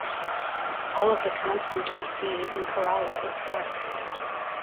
All of the content we see in Kerala is dark.